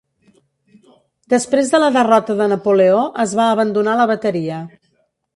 Després de la derrota de Napoleó, es va abandonar la bateria.